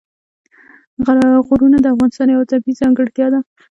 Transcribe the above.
غرونه د افغانستان یوه طبیعي ځانګړتیا ده.